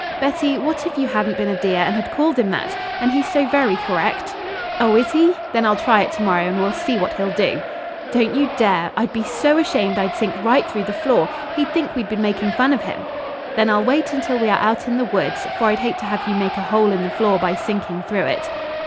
"Betty, what if you hadn't been a dear, and had called him that! And he's so very correct!" "Oh, is he? Then I'll try it to morrow and we'll see what he'll do." "Don't you dare! I'd be so ashamed I'd sink right through the floor. He'd think we'd been making fun of him." "Then I'll wait until we are out in the woods, for I'd hate to have you make a hole in the floor by sinking through it."